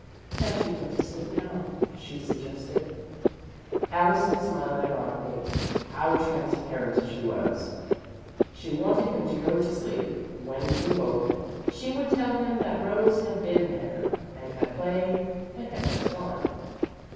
"Can't you go to sleep now?" she suggested. Allison smiled ironically. How transparent she was! She wanted him to go to sleep and when he awoke, she would tell him that Rose had been there, and had played, and had just gone.